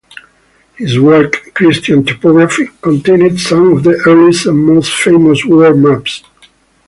His work "Christian Topography" contained some of the earliest and most famous world maps.